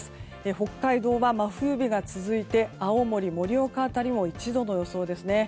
北海道は真冬日が続いて青森、盛岡辺りも１度の予想ですね。